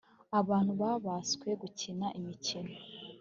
abantu babaswe gukina imikino